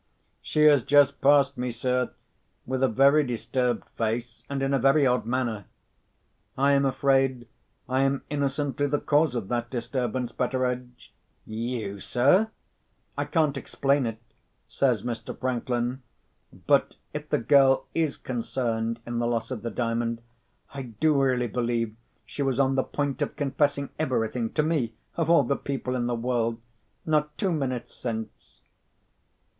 "She has just passed me, sir, with a very disturbed face, and in a very odd manner." "I am afraid I am innocently the cause of that disturbance, Betteredge." "You, sir!" "I can't explain it," says Mr. Franklin; "but, if the girl is concerned in the loss of the Diamond, I do really believe she was on the point of confessing everything—to me, of all the people in the world—not two minutes since."